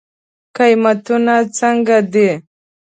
قیمتونه څنګه دی؟